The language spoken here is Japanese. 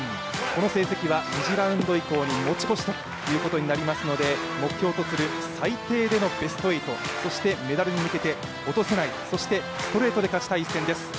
この成績は２次ラウンド以降に持ち越しとなりますので、目標とする最低でのベスト８、メダルに向けて落とせない、そしてストレートで勝ちたい一戦です。